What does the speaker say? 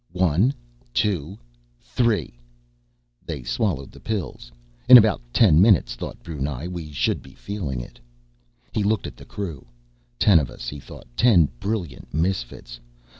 "One, two, three!" They swallowed the pills. In about ten minutes, thought Brunei, we should be feeling it. He looked at the crew. Ten of us, he thought, ten brilliant misfits.